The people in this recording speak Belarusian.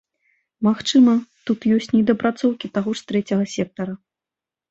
Магчыма, тут ёсць недапрацоўкі таго ж трэцяга сектара.